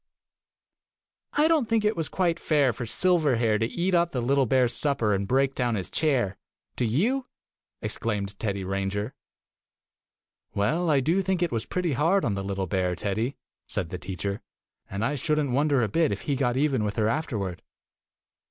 "I don't think it was quite fair for Silverhair to eat up the little bear's supper and break down his chair. Do you?" exclaimed Teddy Ranger. "Well, I do think it was pretty hard on the little bear, Teddy," said the teacher, "and I should n't wonder a bit if he got even with her afterward.